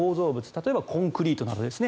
例えば、コンクリートなどですね